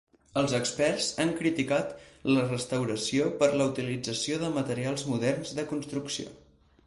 Els experts han criticat la restauració per la utilització de materials moderns de construcció.